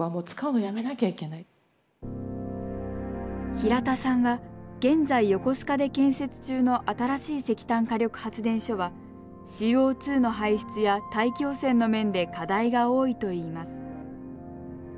平田さんは現在、横須賀で建設中の新しい石炭火力発電所はＣＯ２の排出や大気汚染の面で課題が多いといいます。